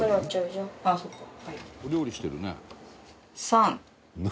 「お料理してるね」